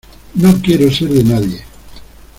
no quiero ser de nadie.